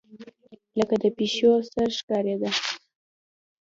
لکه د پيشو سر ښکارېدۀ